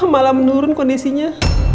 malah menurun kondisinya